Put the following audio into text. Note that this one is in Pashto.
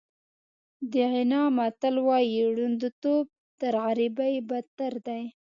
د غانا متل وایي ړوندتوب تر غریبۍ بدتر دی.